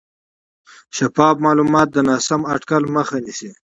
شفاف معلومات د ناسم اټکل مخه نیسي.